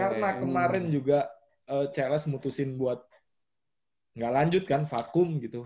karena kemarin juga cls mutusin buat gak lanjut kan vakum gitu